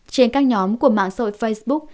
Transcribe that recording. trên các nhóm của mạng sội facebook